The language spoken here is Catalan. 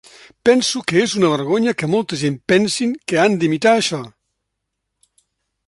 Penso que és una vergonya que molta gent pensin que han d'imitar això.